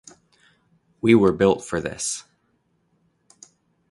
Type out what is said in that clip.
We were built for this.